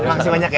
makasih banyak ya